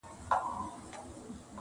غواړي پاچا د نوي نوي هنرونو کیسې.